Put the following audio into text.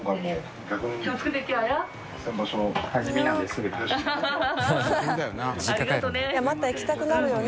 淵Εぅまた行きたくなるよね。